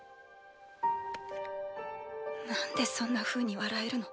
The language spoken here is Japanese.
なんでそんなふうに笑えるの？